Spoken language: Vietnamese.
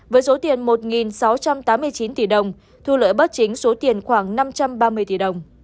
với số tiền một sáu trăm tám mươi chín tỷ đồng thu lợi bất chính số tiền khoảng năm trăm ba mươi tỷ đồng